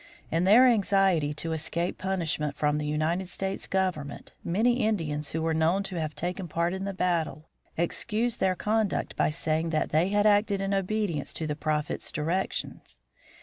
In their anxiety to escape punishment from the United States government many Indians who were known to have taken part in the battle excused their conduct by saying they had acted in obedience to the Prophet's directions.